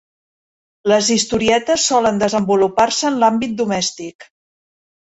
Les historietes solen desenvolupar-se en l'àmbit domèstic.